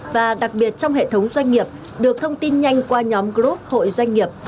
và đặc biệt trong hệ thống doanh nghiệp được thông tin nhanh qua nhóm group hội doanh nghiệp